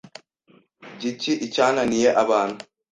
Ngiki icyananiye abantu